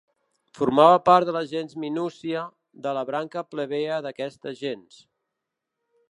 Formava part de la gens Minúcia, de la branca plebea d'aquesta gens.